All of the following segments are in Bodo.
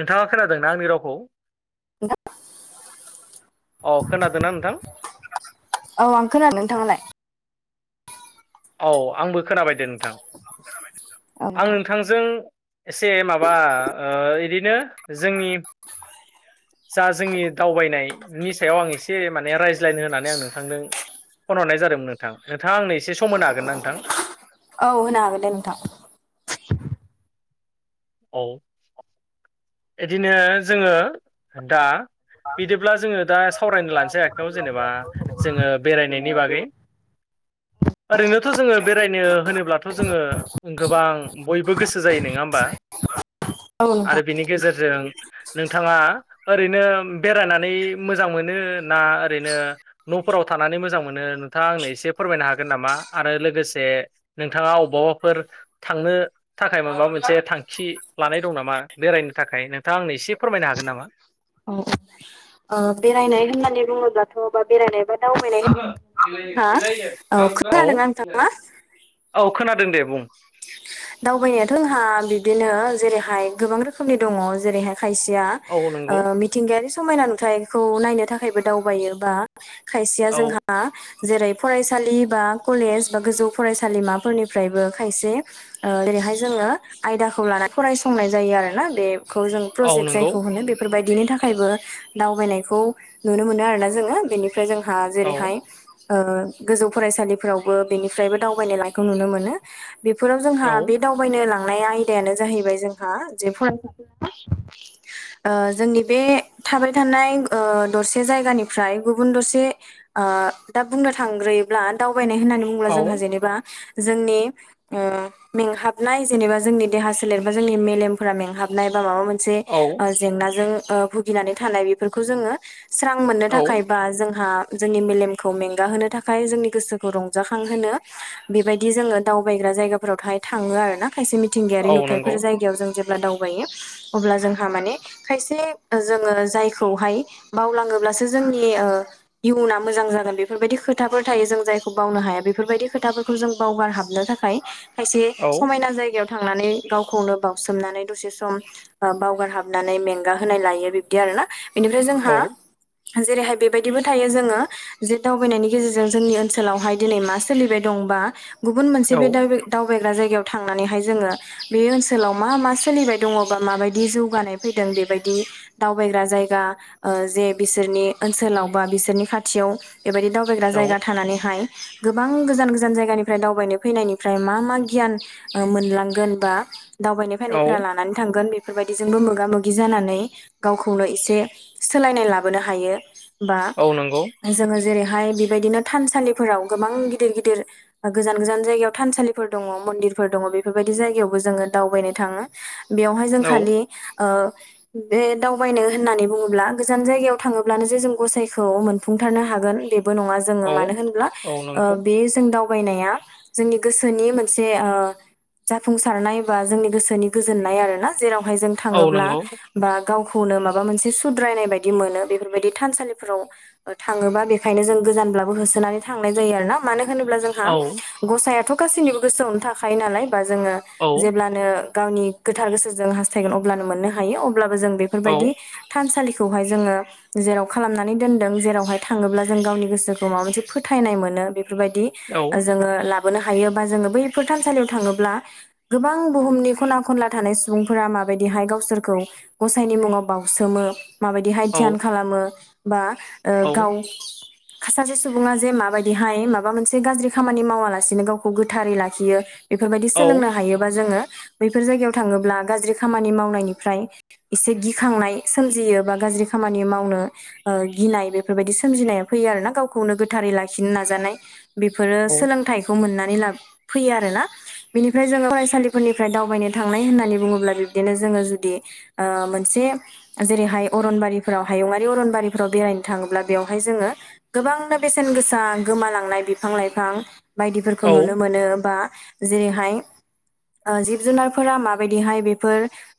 नोंथाङा खोनादोंना आंनि रावखौ? [unintelligible] अ खोनादों ना नोंथां? औ आं खोना [inaudible] नोंथाङालाय? औ आंबो खोनाबायदो नोंथां [inaudible] आं नोंथां जों एसे माबा ओ इदिनो जोंनि जा जोंनि दावबायनायनि सायाव आं एसे माने रायज्लायनो होनानै आं नोंथांदों फन हरनाय जादोंमोन नोंथां नोंथाङा आंनो एसे सम होनो हागोन ना नोंथां? औ होनो हागोन दे नोंथां। औ इदिनो जोङो दा बिदिब्ला जोङो दा सावरायनो लानोसै [unintelligible] जेनेबा जोङो बेरायनायनि बागै। ओरैनोथ' जोङो बेरायनो होनोब्लाथ' जोङो गोबां बयबो गोसो जायो नङा होमबा? औ आरो नोंथांं बिनि गेजेरजों नोंथाङा ओरैनो बेरायनानै मोजां मोनो ना ओरैनो न'फोराव थानानै मोजां मोनो नोंथाङा आंनो एसे फोरमायनो हागोन नामा? आरो लोगोसे नोंथाङा अबावबाफोर थांनो थाखाय माबा मोनसे थां खि लानाय दं नामा बेरायनो थाखाय नोंथाङा आंनो एसे फोरमायनो हागोन नामा? औ औ। ओ बेरायनाय होननानै बुङोब्लाथ' बा बेरायनाय बा दावबाय [unintelligible] हा औ खोनादोंना नोंथाङा? औ खोनादों दे बुं। दावबायनायाथ' आंहा बिबदिनो जेरैहाय गोबां रोखोमनि दङ जेरैहाय खायसेया औ नंगौ मिथिंगायारि समायना नुथायखौ नायनो थाखायबो दावबायो बा खायसेया औ जोंहा जेरै फरायसालि बा कलेज बा गोजौ फरायसालिमाफोरनिफ्रायबो खायसे जेरैहाय जोङो आयदाखौ लानानै फरायसंनाय जायो आरो ना बे जों औ प्रजेक्ट नंगौ जायखौ होनो बे फोरबायदिनि थाखायबो दावबायनायखौ नुनो मोनो आरोना जोङो बेनिनो ओमफ्राय जोंहा औ जेरैहाय गोजौ फरायसालिफोरावबो बेनिफ्रायबो दावबायनाय लनायखौ नुनो मोनो बेफोराव औ जोंहा बे दावबायनो लांनाय आयदायानो जाहैबाय जोंहा जे फरायसाफोरा जोंनि बे थाबाय थानाय दरसे जायगानिफ्राय गुबुन दरसे दा बुंनो थांग्रोयोब्ला दावबायनाय होननानै बुङोब्ला जोंहा औ जेनेबा जोंनि मेंहाबनाय जेनेबा जोंनि देहा सोलेरबा जोंनि मेलेमफोरा मेंहाबनाय बा माबा मोनसे औ जेंजों भुगिनानै थानाय बेफोरखौ जोङो सां मोननो औ थाखाय बा जोंहा जोंनि मेलेमखौ मेंगाहोनो थाखाय जोंनि गोसोखौ रंजाखांहोनो बेबायदि जोङो दाउ ाबायग्रा जायगाफोराव थाहाय थाङो आर ना खायसे मिथिंायारि औ नंगौ नुथायफोर जायगायाव जे अब्ला दावबायो अब्ला जोंहा माने खायसे जोङो जायखौहाय बावलाङोब्लासो जोंनि इयुना मोजां जागोन बेफोरबायदि खोथाफोर थायो जों जायखौ बावनो हाया बेफोरबायदि खोथाफोरखौ जों बावगारहाबनो थाखाय खायसे औ समायना जायगायाव थांनानै गावखौनो बासोमनानै दसे सम बावगार हाबनानै मेंगा होनाय लायो बिब्दि आरोना बेनिफ्राय जोंहा औ जेरैहाय बेबायदिबो थायो जोङो जे दावबायनायनि गेजेरजों जोंनि ओनसोलावहाय दिनै मा सोलिबाय दंबा गुबुन मोनसे औ बे द दावबायग्रा जायगायाव थांनानैहाय जोङो बे ओनसोलाव मा मा सोलिबाय दङबा माबायदि जौगानाय फैदों बेबायदि दावबायग्रा जायगा जे बिसोरनि ओनसोलाव बा बिसोरनि खाथियाव बेबायदि दाव औ जाया थानानैहाय गोबां गोजान गोजान जायानिनिफ्राय दावबायनो फैनायनिफ्राय मा मा गियान मोनोन बा दावनाय फैनाय औ लानानै थोन बे बेफोरबायदिजोंबो मोगा मोगि जानानै गावखौनो एसे सोलायनाय लाबोनो हायो बा औ नंगौ जोङो जेरैहाय बेबायदिनो थानसालिफोराव गोबां गिदिर गिदिर गोजान गोजान जायगायाव थानसालिफोर दङ मन्दिरफोर दङ बेफोरबायदि जायगायावबो जोङो दावबायनो थाङो बेवहाय जों औ खालि बे दावबायनो होननानै बुङोब्ला गोजान जायगायाव थाङोब्लानो जे जों गसाइखौ मोन सुफुंथारनो हागोन बेबो नङा जोङो औ मानो होनब्ला औ नंगौ बे जों दावबायनाया जोंनि गोसोनि मोनसे जाफुंसारनाय बा जोंनि गोसोनि गोजोननाय आरो ना जेरावहाय जों औ थाङोब्ला नंगौ बा गावखौनो माबा मोनसे सुद्रायनाय बायदि मोनो बेफोरबायदि थानसालिफोराव थाङोबा बेखायनो जों गोजानब्लाबो होसोनानै थांनाय जायो आर ना मानो होनोब्ला जों जोंहा औ गसायाथ' गासैनिबो गोसोआवनो थाखायो नालाय बा जोङो औ जेब्लानो गावनि गोथार गोसोजों हास्थायगोन अब्लानो मोननो हायो अब्लाबो जों बेफोरबायदि औ थानसालिखौहाय जोङो जेराव खालामनानै दोनदों जेरावहाय थाङोब्ला जों गावनि गोसोखौ माबा मोनसे फोथायनाय मोनो बेफोरबायदि औ जोङो लाबोनो हायो बा जोङो बैफोर थानसालियाव थाङोब्ला गोबां बुहुमनि खना खनला थानाय सुबुंफोरा माबायदिहाय गावसोरखौ गसायनि मुङाव बाउसोमो माबायदिहाय ध्यान औ खालामो बा औ गाव खासासे सुबुङा जे माबायदिहाय माबा मोनसे गाज्रि खामानि मावाला सिनो गावखौ गोथारै लाखियो बेफोरबायदि सोलोंनो हायोबा जोङो बैफोर जायगायाव थाङोब्ला गाज्रि खामानि मावनायनिफ्राय एसे गिखांनाय सोमजियो बा गाज्रि खामानि मावनो गिनाय बेफोरबायदि सोमजिनाया फैयो आरोना गावखौनो गोथारै लाखिनो नाजानाय बेफोरो औ सोलोंथाइखौ मोननानै ला फैयो आरोना बिनिफ्राय जोङो फरायसालिफोरनिफ्राय दावबायनो थांनाय होननानै बुङोब्ला बिब्दिनो जोङो जुदि ओ मोनसे जेरैहाय अरनबारिफोराव हायङारि अरनबारिफोराव बेरायनो थाङोब्ला बेवहाय जोङो गोबांनो बेसेन गोसा गोमालांनाय बिफां लाइफां बायदिफोरखौ नुनो मोनो बा जेरैहाय जिब जुनारफोरा माबायदिहाय बेफोर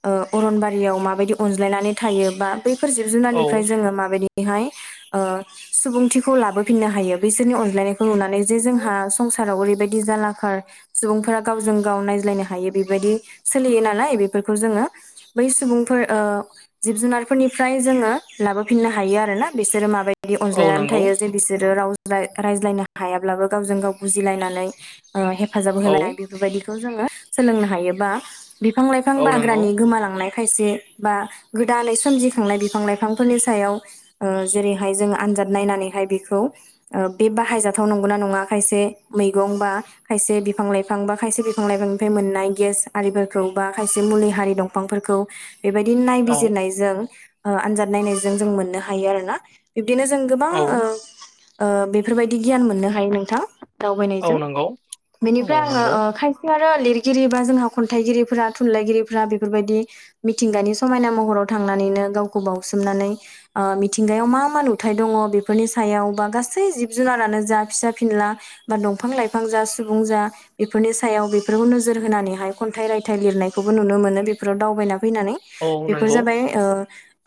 अरनबारियाव माबायदि अनज्लायनानै थायो बा बैफोर जिब औ जुनारनिफ्राय जोङो माबायदि बेहाय सुबुंथिखौ लाबोफिननो हायो बिसोरनि अनज्लायनायखौ नुनानै जे जोंहा फोराव ओरैबायदि जालाखार सुबुंफोरा गावजों गाव नायज्लायनो हायो बेबायदि सोलियो नालाय बेफोरखौ जोङो बै सुबुंफोर ओ जिब जुनारफोरनिफ्राय जोङो लाबोफिननो हायो आरोोना बिसोरो माबाय दि औ अनज्लायनानै नंगौ थायो जे बिसोरो राव रायज्लायनो हायाब्लाबो गावजों गाव बुजिलायनानै हेफाजाब होलाय औ बेफोरबायदिखौ जोङो सोलोंनो हायोबा बिफां लाइफां औ नंगौ बाग्रानि गोमालांनाय खायसे बा गोदानै सोमजिखांनाय बिफां लाइफांफोरनि सायाव जेरैहाय जोङो आनजाद नायनानैहाय बेखौ बे बाहायजाथाव नंगौना नङा खायसे मैगं बा खायसे बिफां लाइफां बा खायसे बिफां लाइफांनिफ्राय मोननाय गेस आरिफोरखौ बा खायसे मुलि हारि दं फांफोरखौ बेबायदि औ नायबिजिरनायजों आनजाद नायनायजों जों मोननो हायो आरोोना बिब्दिनो जों गोबां औ बेफोरबायदि गियान मोननो हायो नोंथां दावबायनायजों औ नंगौ औ बेनिफ्राय आङो नंगौ खाय आरो लिरगिरि बा जोंहा खन्थाइगिरिफोरा थुनलाइगिरिफोरा बेफोरबायदि मिथिंगानि समायना महराव थांनानैनो गावखौ बाउसोमनानै मिथिंगायाव मा मा नुथाय दङ बेफोरनि सायाव बा गासै जिब जुनारानो जा फिसा फिनला बा दंफां लाइफां जा सुबुं जा बेफोरनि सायाव बेफोरखौ नोजोर होनानैहाय खन्थाइ रायथाइ लिरनायखौबो नुनो मोनो बेफोराव दावबायना फैनानै औ बेफोर नंगौ जाबाय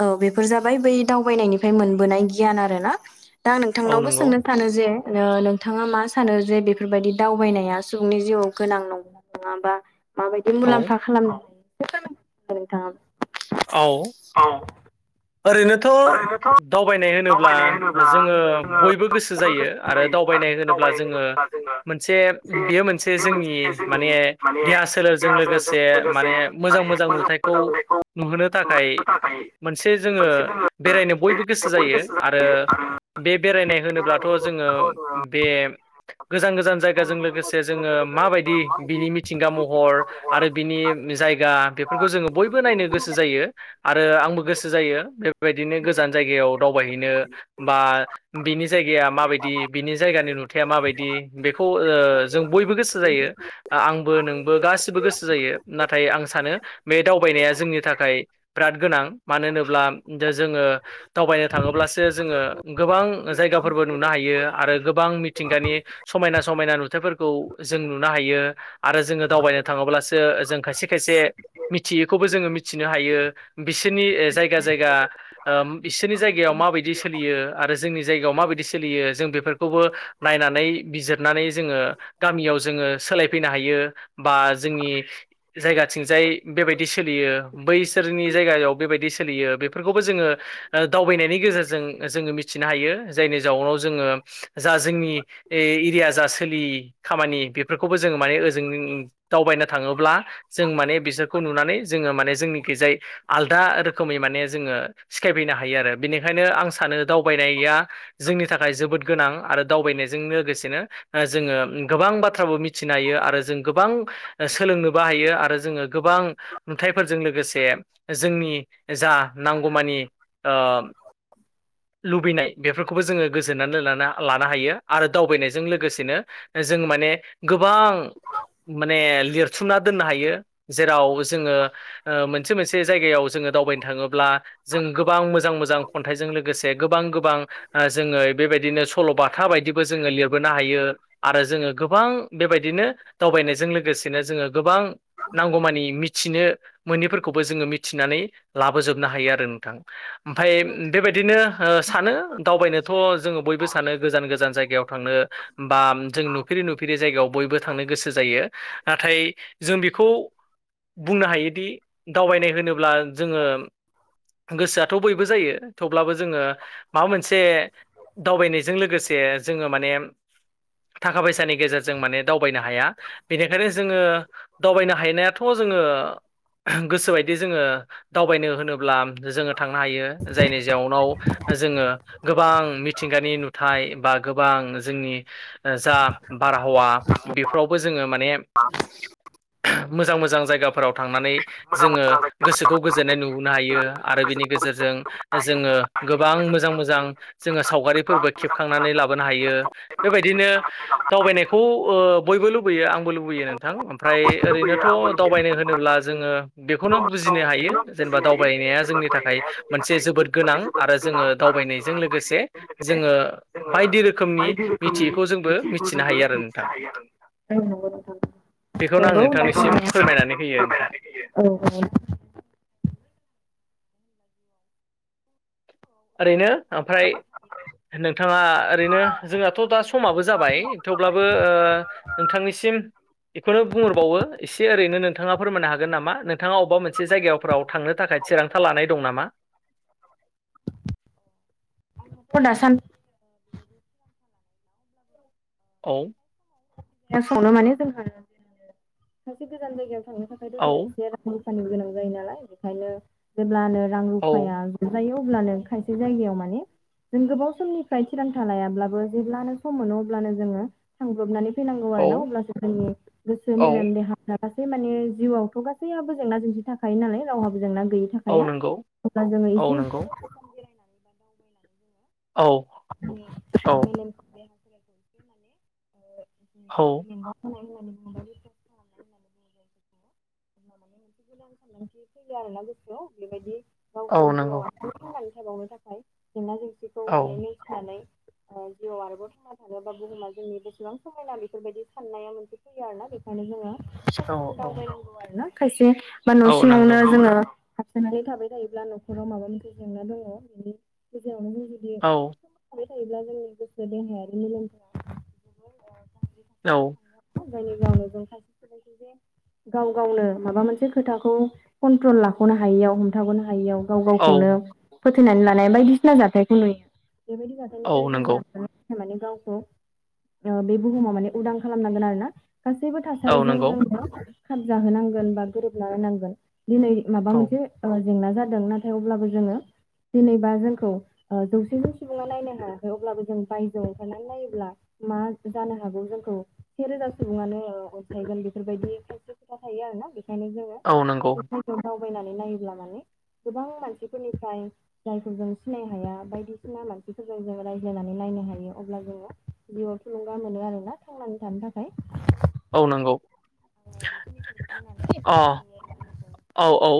औ बेफोर जाबाय बै दावबायनायनिफ्राय मोनबोनाय गियान आरो ना दां औ नोंथांनावबो नंगौ सोंनो सानो जे नोंथाङा मा सानो जे बेफोरबायदि दावबायनाया सुबुंनि जिउआव गोनां नंगौना नङा बा माबायदि औ मुलाम्फा खालामनो हायो [inaudible] फोरमाय [inaudible] नोंथाङाबो औ औ ओरैनोथ' दावबायनाय होनोब्ला जोङो बयबो गोसो जायो आरो दावबायनाय होनोब्ला जोङो मोनसे बेयो मोनसे जोंनि माने देहा सोलेरजों लोगोसे माने मोजां मोजां नुथाइखौ नुहोनो थाखाय मोनसे जोङो बेरायनो बयबो गोसो जायो आरो बे बेरायनाय होनोब्लाथ' जोङो बे गोजान गोजान जायगाजों लोगोसे से जोङो मा बादि बिनि मिथिंगा महर आरो बि बि जायगा बेफोरखौ जोङो बयबो नायनो गोसो जायो आरो आंबो गोसो जायो बेबायदिनो गोजान जायगायाव दावबायहैनो बा बिनि जायगाया माबायदि बिनि जायगानि नुथाया माबायदि बेखौ ओ जों बयबो गोसो जायो आंबो नोंबो गासिबो गोसो जायो नाथाय आं सानो बे दावबायनाया जोंनि थाखाय बिराद गोनां मानो होनोब्ला जोङो दावबायनो थाङोब्लासो जोंङो गोबां जायगाफोरबो नुनो हायो। आरो गोबां मिथिंगानि समायना समायना नुथायफोरखौ जों नुनो हायो। आरो जोंङो दावबायनो थाङोब्लासो जों खायसे खायसे मिथियैखौबो जोंङो मिथिनो हायो। बिसोरनि ओ जायगा जायगा ओ बिसोरनि जायगायाव माबायदि सोलियो आरो जोंनि जायगायाव माबायदि सोलियो जों बेफोरखौबो नायनानै बिजिरनानै जोंङो गामियाव जोंङो सोलायफैनो हायो। बा जोंनि जायगाथिंजाय बेबायदि सोलियो बैसोरनि जायगायाव बेबायदि सोलियो बेफोरखौबो जोंङो ओ दावबायनायनि गेजेरजों जोंङो मिथिनो हायो। जायनि जाउनाव जोंङो जा जोंनि ए एरिया जा सोलि खामानि बे बेफोरखौबो जोङो माने ओजों जों दावबायनो थाङोब्ला जों माने बिसोरखौ नुनानै जोंङो माने जोंनिखि जाय आल दा रोखोमै माने जोंङो सिखायफैनो हायो। आरो बेनिखायनो आं सानो दावबायनाया जोंनि थाखाय जोबोद गोनां आरो दावबायनायजों लोगोसेनो ओ जोंङो गोबां बाथ्राबो मिथिनो हायो। आरो जों गोबां सोलोंनो बाहायो आरो जोंङो गोबां नुथायफोरजों लोगोसे [unintelligible] जा नांगौमानि ओ लुबैनाय बेफोरखौबो जोंङो गोजोननानै लाना लानो हायो। आरो दावबायनायजों लोगोसेनो जों माने गोबां माने लिरथुमना दोननो हायो। जेराव जोंङो ओ ओ मोनसे मोनसे जायगायाव जोंङो दावबायनो थाङोब्ला जों गोबां मोजां मोजां खन्थाइजों लोगोसे गोबां गोबां ओ जोंङो बेबायदिनो सल' बाथा बायदिबो जोंङो लिरबोनो हायो। आरो जोंङो गोबां बेबायदिनो दावबायनायजों लोगोसेनो जोंङो गोबां नांगौमानि मिथिनो मोनैफोरखौबो जोंङो मिथिनानै लाबोजोबनो हायो आरो नोंथां ओमफ्राय बेबायदिनो सानो दावबायनोथ' जोंङो बयबो सानो गोजान गोजान जायगायाव थांनो। बा जों नुफेरै नुफेरै जायगायाव बयबो थांनो गोसो जायो। नाथाय जों बेखौ बुंनो हायोदि दावबायनाय होनोब्ला जोंङो गोसोआथ' बयबो जायो। थेवब्लाबो जोंङो माबा मोनसे दावबायनाय जों लोगोसे जोंङो माने थाखा फैसानि गेजेरजों माने दावबायनो हाया बेनिखायनो जोंङो दावबायनो हायनायाथ' जोंङो गोसोबायदि जोंङो दावबायनो होनोब्ला जोंङो थांनो हायो। जायनि जाउनाव ओ जोंङो गोबां मिथिंगानि नुथाय बा गोबां जोंनि जा बारहावा बेफोरावबो जोंङो माने मोजां मोजां जायगाफोराव थांनानै जोंङो गोसोखौ गोजोननाय नुहोनो हायो। आरो बिनि गेजेरजों जोंङो गोबां मोजां मोजां जोंङो सावगारिफोरबो खेबखांनानै लाबोनो हायो। बेबायदिनो दावबायनायखौ ओ बयबो लुबैयो आंबो लुबैयो नोंथां ओमफ्राय ओरैनोथ' दावबायनो होनोब्ला जोंङो बेखौनो बुजिनो हायो जेनेबा दावबायनाया जोंनि थाखाय मोनसे जोबोद गोनां। आरो जोंङो दावबायनायजों लोगोसे जोङो बायदि रोखोम बायदि रोखोमनि मिथियैखौ जोंबो हायो आरो मिथिनो नोंथां हायो आरो। औ बेखौनो आं नंगौ नों नोंथांनिसिम थां। फोरमायनानै होयो नोंथां। [unintelligible] ओरैनो ओमफ्राय नोंथाङा ओरैनो जोंनाथ' दा समाबो जाबाय थेवब्लाबो ओ नोंथांनिसिम बेखौनो बुंहरबावो एसे ओरैनो नोंथाङा फोरमायनो हागोन नामा नोंथ नोंथाङा अबेबा मोनसे जायगाफोराव थांनो थाखाय थिरांथा लानाय दं नामा? फ दा सान औ सावनो माने जोंहा सासे गोजान जायगायाव थांनो थाखाय औ द एसे रफानि गोनां जायो नालाय बेखायनो जेब्लानो रां औ रुफाया नुजायो अब्लानो खायसे जायगायाव माने जों गोबाव समनिफ्राय थिरांथा लायाब्लाबो जेब्लानो सम मोनो अब्लानो जोङो थांब्लबनानै फैनांगौ औ आरो ना अब्लासो जोंनि गोसोे औ मेलेम देहा द गासै माने जिउआवथ' गासैयाबबो जेंना जेंसि थाखायो नालाय रावहाबो जेंना गैयि औ थाखाया नंगौ अब्ला जोङो औ एसे नंगौ एसे बेरायनानै औ औ माम [inaudible] औ [inaudible] माने मोनसे गदां सानसो फैयो आरोना गोसोआव बेबायदि औ गावखौ नंगौ जिउआव आथिं थांनानै थाबावनो थाखाय जेंना जेंसिखौ औ माने नेथिनानै जिउआव आरोबाव थांना थाङोबा बुहुमा जोंनि बेसेबां समायना बेफोरबायदि साननाया मोनसे फैया आरोना बेखायनो जोङो औ औ आवगायनांगौ आरो ना खायसे बा न' औ नंगौ सिङावनो जोङो हाबसोनानै थाबाय थायोब्ला न'खराव माबा मोनसे जेंना दङ बिनि गेजेरावनो जुदि औ थाबाय थायोब्ला जोंनि गोसो देहाया रिमोद्रा औ जायनि जावनाव [unintelligible] गाव गावनो माबा मोनसे खोथाखौ कन्ट्रल लाख'नो हायियाव हमथाग'नो हायियाव गाव औ गावखौनो फोथथायनानै लानाय बायदिसिना जाथायखौ नुयो बेबायदि जाथायनिफ्राय औ जों नंगौ जा माने गावखौ बे बुहुमाव माने उदां खालामनांगोन आरो ना। गासैबो औ थासारिजों नंगौ जोङो खाब जाहोनांगोन बा गोरोबना होनांगोन दिनै माबा औ मोनसे ओ जेंना जादों नाथाय अब्लाबो जोङो जेनेबा जोंखौ ओ जौसेनि सुबुङा नायनो हायाखै अब्लाबो जों बायजोआव ओंखारनानै नायोब्ला मा जानो हागौ जोंखौ से रोजा सुबुङानो ओ अनसायगोन बेफोरबायदि खायसे खोथा थायो आरोना बेखायनो जोङो औ नंगौ खायसे दावबायनानै नायोब्ला माने गोबां मानसिफोरनिफ्राय जायखौ जों सिनायनो हाया बायदिसिना मानसिफोरजों जो रायज्लायनानै नायनो हायो अब्ला जोङो बियाव थुलुंगा मोनो आरोना थांनानै थानो थाखाय। औ नंगौ बेखिनिखौ बुंनानै अ एबा जोंनि औ औ।